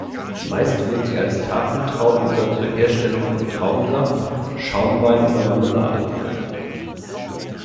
Meist wird sie als Tafeltraube oder zur Herstellung von Traubensaft, Schaumwein oder Marmelade verwendet.